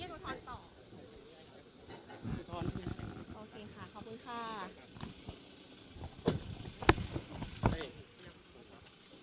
โอเคค่ะขอบคุณค่ะ